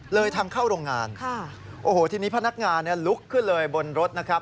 เลยทางเข้าโรงงานโอ้โหทีนี้พนักงานลุกขึ้นเลยบนรถนะครับ